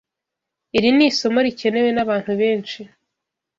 Iri ni isomo rikenewe n’abantu benshi.